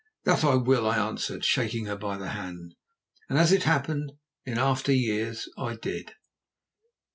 "That I will," I answered, shaking her by the hand; and, as it happened, in after years I did.